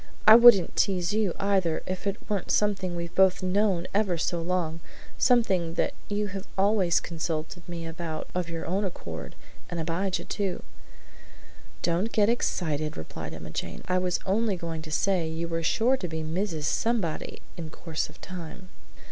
I wouldn't tease you, either, if it weren't something we've both known ever so long something that you have always consulted me about of your own accord, and Abijah too." "Don't get excited," replied Emma Jane, "I was only going to say you were sure to be Mrs. Somebody in course of time."